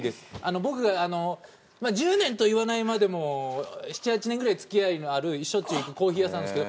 僕があのまあ１０年と言わないまでも７８年ぐらいつきあいのあるしょっちゅう行くコーヒー屋さんですけど。